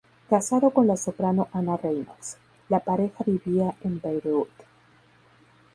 Casado con la soprano Anna Reynolds, la pareja vivía en Bayreuth.